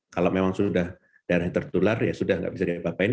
kalau memang sudah daerah tertular ya sudah nggak bisa dipapain